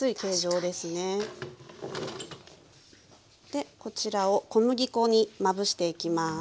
でこちらを小麦粉にまぶしていきます。